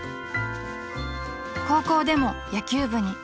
［高校でも野球部に］